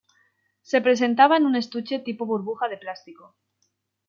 Se presentaba en un estuche tipo burbuja de plástico.